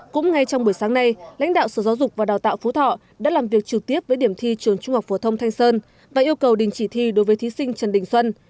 cũng ngay trong buổi sáng nay lãnh đạo sở giáo dục và đào tạo phú thọ đã làm việc trực tiếp với điểm thi trường trung học phổ thông thanh sơn và yêu cầu đình chỉ thi đối với thí sinh trần đình xuân